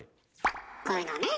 こういうのね。